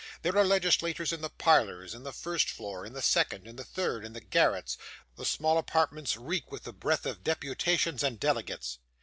There are legislators in the parlours, in the first floor, in the second, in the third, in the garrets; the small apartments reek with the breath of deputations and delegates.